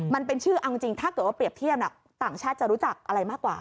มันเป็นชื่อเอาจริงถ้าเกิดว่าเปรียบเทียบต่างชาติจะรู้จักอะไรมากกว่า